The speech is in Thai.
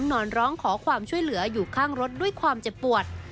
นอนร้องขอความช่วยเหลืออยู่ข้างรถด้วยความเจ็บปวด